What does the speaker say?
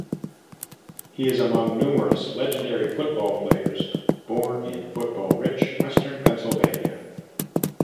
He is among numerous legendary football players born in football-rich Western Pennsylvania.